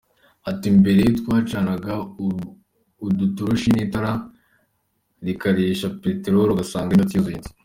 Ati “Mbere twacanaga udutoroshi n’itara rikoresha petelori ugasanga imyotsi yuzuye inzu.